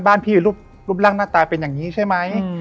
พี่รูปร่างหน้าตาเป็นอย่างนี้ใช่ไหม